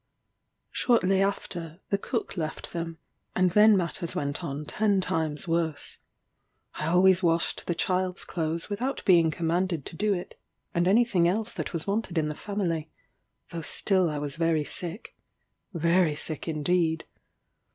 Shortly after, the cook left them, and then matters went on ten times worse. I always washed the child's clothes without being commanded to do it, and any thing else that was wanted in the family; though still I was very sick very sick indeed.